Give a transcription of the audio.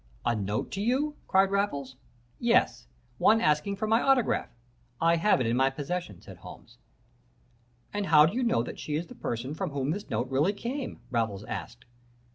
"'A note to you?' cried Raffles. "'Yes. One asking for my autograph. I have it in my possession,' said Holmes. "'And how do you know that she is the person from whom that note really came?' Raffles asked.